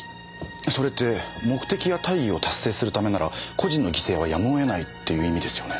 それって目的や大義を達成するためなら個人の犠牲はやむを得ないっていう意味ですよね。